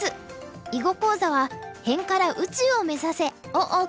囲碁講座は「辺から宇宙を目指せ！」をお送りします。